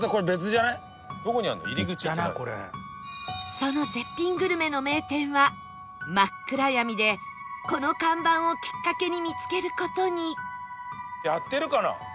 その絶品グルメの名店は真っ暗闇でこの看板をきっかけに見つける事に